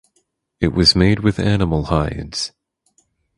It was made with animal hides.